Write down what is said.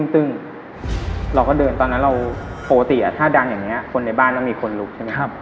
ซึ่งเราก็เดินตอนนั้นเราปกติถ้าดังอย่างนี้คนในบ้านเรามีคนลุกใช่ไหม